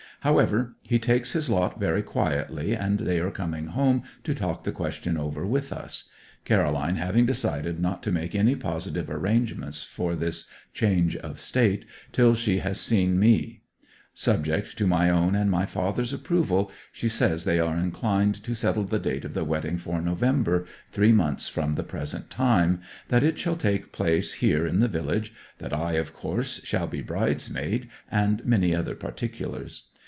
However, he takes his lot very quietly, and they are coming home to talk the question over with us; Caroline having decided not to make any positive arrangements for this change of state till she has seen me. Subject to my own and my father's approval, she says, they are inclined to settle the date of the wedding for November, three months from the present time, that it shall take place here in the village, that I, of course, shall be bridesmaid, and many other particulars.